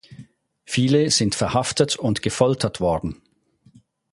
Viele sind verhaftet und gefoltert worden.